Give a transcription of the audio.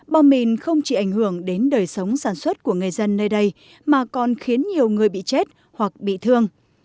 bom mìn không chỉ ảnh hưởng đến đời sống sản xuất của người dân nơi đây mà còn khiến nhiều người bị chết hoặc bị thương